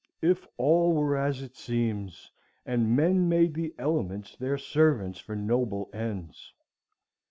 If all were as it seems, and men made the elements their servants for noble ends!